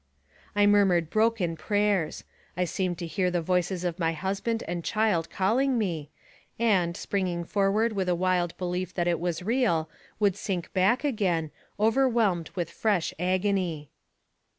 I murmured broken prayers. I seemed to hear the voices of my husband and child calling me, and spring ing forward, with a wild belief that it was real, would sink back again, overwhelmed with fresh agony.